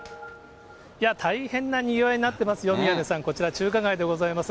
大変なにぎわいになってますよ、宮根さん、こちら中華街でございます。